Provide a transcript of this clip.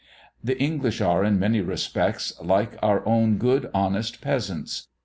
The English are in many respects like our own good honest peasants.